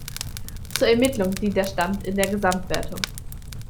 Zur Ermittlung dient der Stand in der Gesamtwertung.